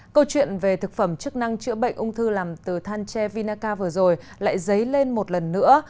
câu chuyện về thực phẩm chức năng chữa bệnh ung thư làm từ thanche vinaca vừa rồi lại dấy lên một lần nữa